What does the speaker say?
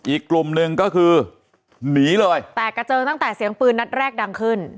อีกกลุ่มหนึ่งก็คือหนีเลยแตกกระเจิงตั้งแต่เสียงปืนนัดแรกดังขึ้น